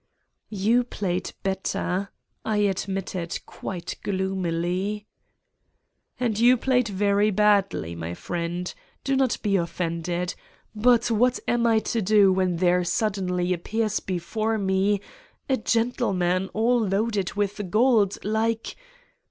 "You played better, " I admitted quite gloomily. "And you played very badly, my friend, do not be offended. But what am I to do when there suddenly appears before me a gentleman all loaded with gold like